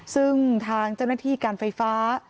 ซึ่งทางเจ้าหน้าที่การไฟฟ้า